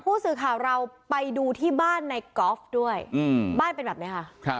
ผู้สื่อข่าวเราไปดูที่บ้านในกอล์ฟด้วยบ้านเป็นแบบนี้ค่ะ